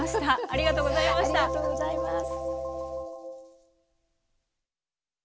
ありがとうございます。